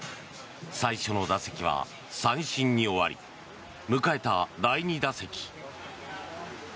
最初の打席は三振に終わり迎えた第２打席。